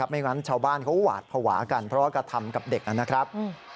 ไม่งั้นชาวบ้านเขาหวาดภาวะกันเพราะว่ากระทำกับเด็กนะครับ